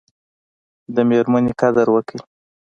د میرمني قدر وکړئ